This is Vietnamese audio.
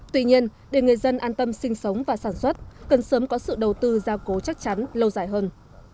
tuy nhiên để người dân an tâm sinh sống và sản xuất cần sớm có sự đầu tư gia cố chắc chắn lâu dài hơn